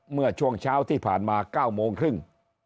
เมื่อช่วงเช้าที่ผ่านมา๙โมงครึ่ง